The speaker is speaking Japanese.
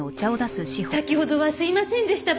先ほどはすいませんでした。